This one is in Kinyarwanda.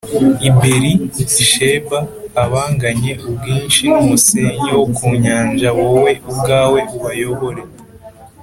i Beri Sheba a banganye ubwinshi n umusenyi wo ku nyanja b wowe ubwawe ubayobore